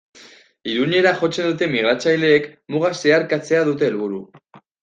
Irunera jotzen duten migratzaileek muga zeharkatzea dute helburu.